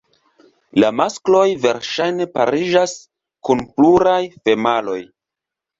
La maskloj verŝajne pariĝas kun pluraj femaloj.